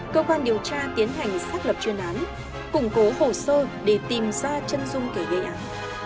cơ quan điều tra tiến hành xác lập chuyên án củng cố hồ sơ để tìm ra chân dung kể gây án